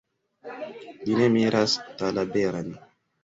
Li ne miras Talaberan.